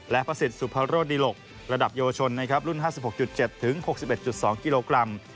และภาษิตสุพรโรดิหลกระดับโยชนรุ่น๕๖๗๖๑๒กิโลกรัม